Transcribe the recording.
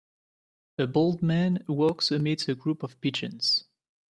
A bald man walks amidst a group of pigeons.